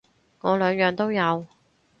我兩樣都有